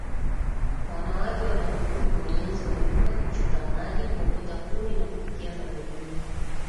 Wanawake wana jukumu la ujenzi wa nyumba kuchota maji kuokota kuni na kupikia familia